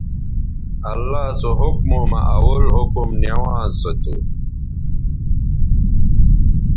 اللہ سو حکموں مہ اول حکم نوانز سو تھو